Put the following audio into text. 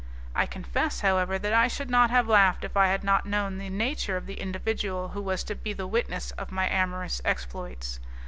I confess, however, that I should not have laughed if I had not known the nature of the individual who was to be the witness of my amorous exploits.